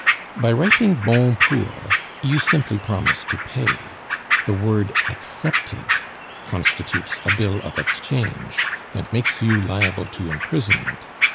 By writing Bon pour, you simply promise to pay. The word accepted constitutes a bill of exchange, and makes you liable to imprisonment.